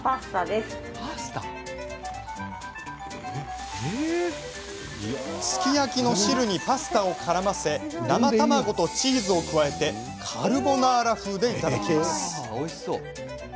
すき焼きの汁にパスタをからませ生卵とチーズを加えてカルボナーラ風でいただきます。